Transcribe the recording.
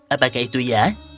apakah itu ya